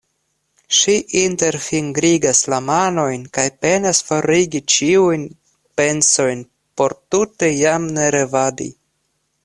Ŝi interfingrigas la manojn kaj penas forigi ĉiujn pensojn por tute jam ne revadi.